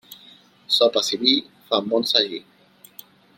Sopes i vi fan bon sagí.